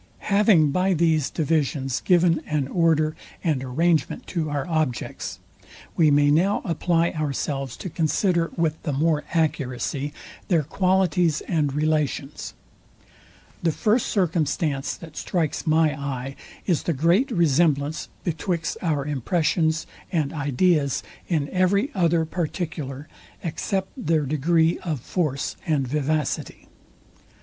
Having by these divisions given an order and arrangement to our objects, we may now apply ourselves to consider with the more accuracy their qualities and relations. The first circumstance, that strikes my eye, is the great resemblance betwixt our impressions and ideas in every other particular, except their degree of force and vivacity.